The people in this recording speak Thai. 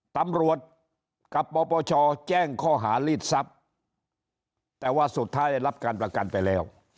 ตำรวจกับปปชแจ้งข้อหารีดทรัพย์แต่ว่าสุดท้ายได้รับการประกันไปแล้ว